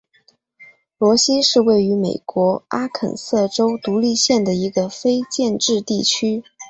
罗西是位于美国阿肯色州独立县的一个非建制地区。